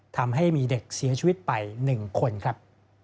ทำให้มีเด็กเสียชีวิตไป๑คนครับ